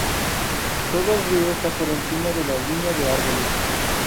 Todo el río está por encima de la línea de árboles.